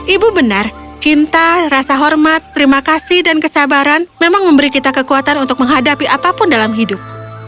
ibu benar cinta rasa hormat terima kasih dan kesabaran memang memberi kita kekuatan untuk menghadapi apapun dalam hidup